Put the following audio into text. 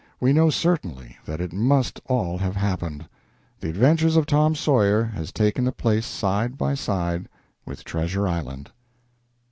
We know certainly that it must all have happened. "The Adventures of Tom Sawyer" has taken a place side by side with "Treasure Island."